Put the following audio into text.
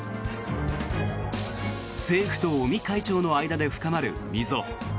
政府と尾身会長の間で深まる溝。